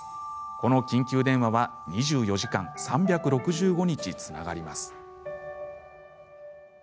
この緊急電話は２４時間３６５日つながります。